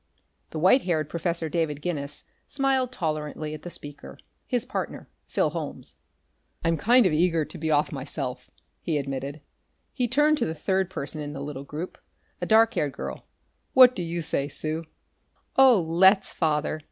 The white haired Professor David Guinness smiled tolerantly at the speaker, his partner, Phil Holmes. "I'm kind of eager to be off, myself," he admitted. He turned to the third person in the little group, a dark haired girl. "What do you say, Sue?" "Oh, let's, Father!"